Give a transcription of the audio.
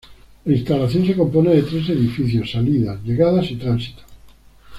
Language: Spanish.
La instalación se compone de tres edificios; salidas, llegadas y tránsito.